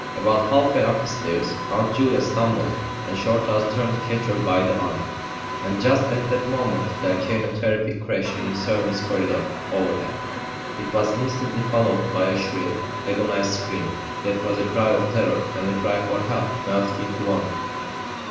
About half way up the stairs Aunt Julia stumbled and Shorthouse turned to catch her by the arm, and just at that moment there came a terrific crash in the servants' corridor overhead. It was instantly followed by a shrill, agonised scream that was a cry of terror and a cry for help melted into one.